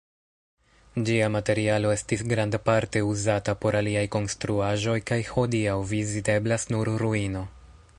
Ĝia materialo estis grandparte uzata por aliaj konstruaĵoj kaj hodiaŭ viziteblas nur ruino.